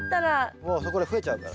もうそこで増えちゃうから。